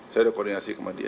saya sudah koordinasi sama dia